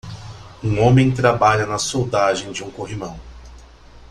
Um homem trabalha na soldagem de um corrimão.